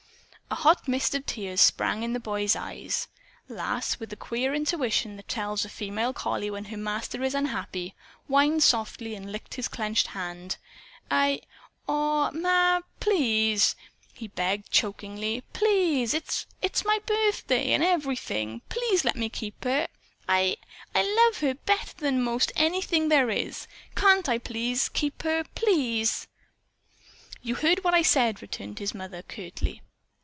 A hot mist of tears sprang into the boy's eyes. Lass, with the queer intuition that tells a female collie when her master is unhappy, whined softly and licked his clenched hand. "I aw, PLEASE, Ma!" he begged chokingly. "PLEASE! It's it's my birthday, and everything. Please let me keep her. I I love her better than 'most anything there is. Can't I please keep her? Please!" "You heard what I said," returned his mother curtly.